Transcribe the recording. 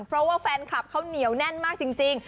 เพราะว่าแฟนคลับเขาเหนียวแน่นมากจริง